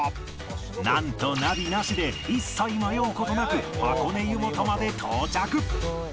なんとナビなしで一切迷う事なく箱根湯本まで到着